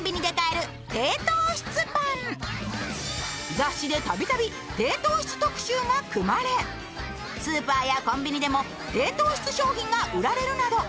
雑誌で度々、低糖質特集も組まれスーパーやコンビニでも低糖質商品が売られるなど